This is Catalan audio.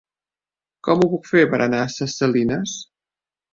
Com ho puc fer per anar a Ses Salines?